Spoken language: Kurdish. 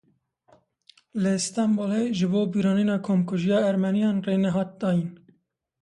Li Stenbolê ji bo bîranîna Komkujiya Ermeniyan rê nehat dayîn.